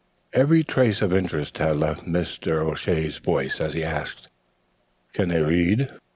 Every trace of interest had left Mr. O'Shea's voice as he asked: "Can they read?"